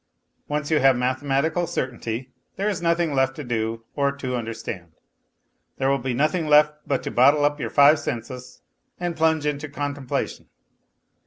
Once you have mathematical certainty there is nothing left to do or to understand There will be nothing left but to bottle up your five senses and plunge into contempla tion.